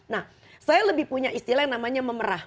nah saya lebih punya istilah yang namanya memerah